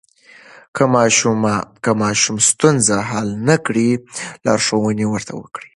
که ماشوم ستونزه حل نه کړي، لارښوونه ورته وکړئ.